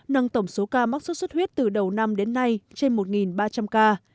nâng tổng số ca mắc sốt xuất huyết từ đầu năm đến nay trên một ba trăm linh ca